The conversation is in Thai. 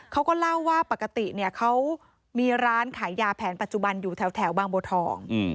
เขาก็เล่าว่าปกติเนี่ยเขามีร้านขายยาแผนปัจจุบันอยู่แถวบางบัวทอง